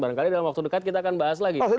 barangkali dalam waktu dekat kita akan bahas lagi